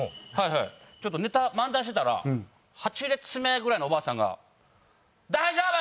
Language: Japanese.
ネタ漫談してたら８列目ぐらいのおばあさんが大丈夫？